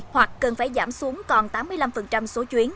hoặc cần phải giảm xuống còn tám mươi năm số chuyến